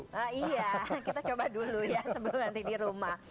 iya kita coba dulu ya sebelum nanti di rumah